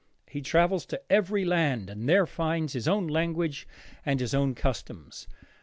He travels to every land and there finds his own language and his own customs.